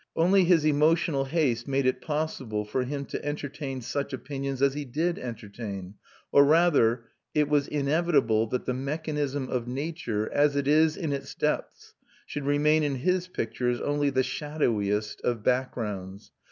Only his emotional haste made it possible for him to entertain such, opinions as he did entertain; or rather, it was inevitable that the mechanism of nature, as it is in its depths, should remain in his pictures only the shadowiest of backgrounds.